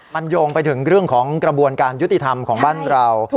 มันโยงไปถึงเรื่องของกระบวนการยุติธรรมของบ้านเรา